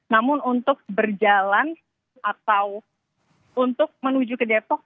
namun untuk berjalan atau untuk menuju ke depok